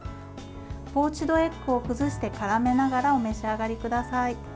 ポーチドエッグを崩して絡めながらお召し上がりください。